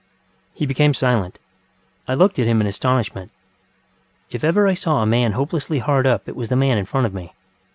ŌĆØ He became silent. I looked at him in astonishment. If ever I saw a man hopelessly hard up it was the man in front of me.